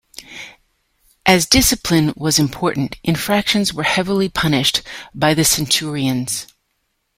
As discipline was important, infractions were heavily punished by the centurions.